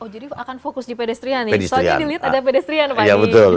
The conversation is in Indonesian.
jadi akan fokus di pedestrian nih